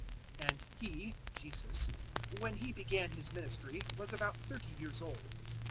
003:023 And He Jesus when He began His ministry, was about thirty years old.